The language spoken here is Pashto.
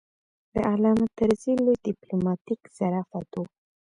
د علامه طرزي لوی ډیپلوماتیک ظرافت و.